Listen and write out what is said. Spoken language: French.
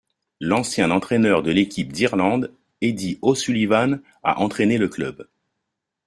L'ancien entraîneur de l’équipe d’Irlande, Eddie O'Sullivan a entraîné le club.